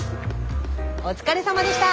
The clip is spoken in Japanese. お疲れさまでした！